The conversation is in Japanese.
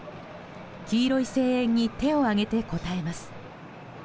黄色い声援に手を上げて応えます。